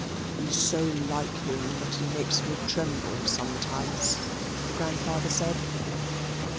"He's so like him that he makes me tremble sometimes," the grandfather said.